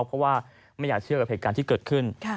เพราะว่าไม่อยากเชื่อกับเหตุการณ์ที่เกิดขึ้น